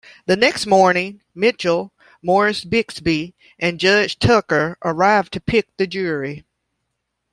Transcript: The next morning, Mitchell, Morris Bixby, and Judge Tucker arrive to pick the jury.